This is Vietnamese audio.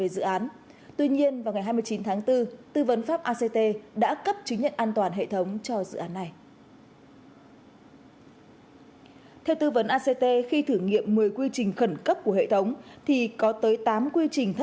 giúp nông dân dùng dịch